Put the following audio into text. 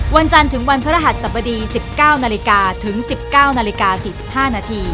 วันจันทร์ถึงวันพระรหัสสบดี๑๙นถึง๑๙น๔๕น